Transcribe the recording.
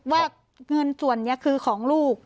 ว่าเงินส่วนนี้คือของลูก